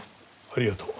ありがとう。